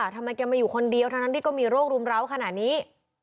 ทำไมแกมาอยู่คนเดียวทั้งนั้นที่ก็มีโรครุมร้าวขนาดนี้